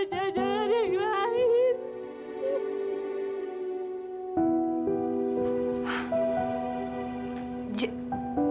jangan jangan jangan